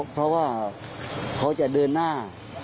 เพราะว่าเขาจะเดินหน้า